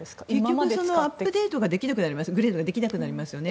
結局アップグレードができなくなりますよね。